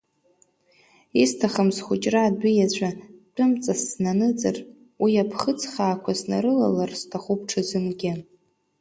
Исҭахым схәыҷра адәы иаҵәа тәымҵас снаныҵыр, уи аԥхыӡ хаақәа снарылалар сҭахуп ҽазынгьы.